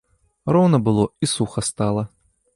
Роўна было, і суха стала.